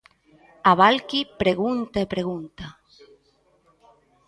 A Valqui pregunta e pregunta.